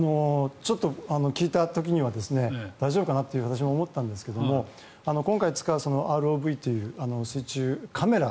ちょっと聞いた時には大丈夫かな？と私も思ったんですが今回使うＲＯＶというカメラ